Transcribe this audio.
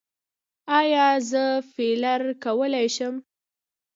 ایا زه فیلر کولی شم؟